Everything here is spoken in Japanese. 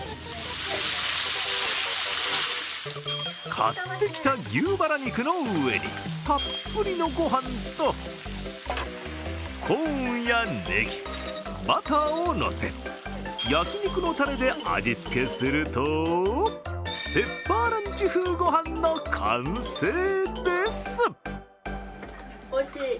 買ってきた牛バラ肉の上にたっぷりのご飯とコーンやねぎ、バターをのせ、焼肉のたれで味付けするとペッパーランチ風ごはんの完成です。